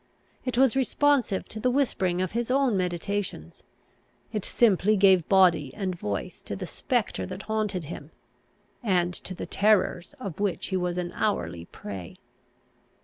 It was responsive to the whispering of his own meditations; it simply gave body and voice to the spectre that haunted him, and to the terrors of which he was an hourly prey.